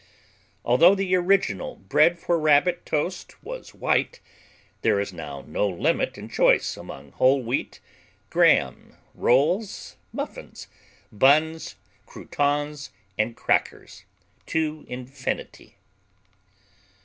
Although the original bread for Rabbit toast was white, there is now no limit in choice among whole wheat, graham, rolls, muffins, buns, croutons and crackers, to infinity.